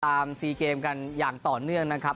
๔เกมกันอย่างต่อเนื่องนะครับ